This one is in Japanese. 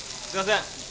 すいません。